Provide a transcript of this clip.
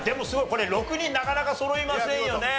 これ６人なかなかそろいませんよね。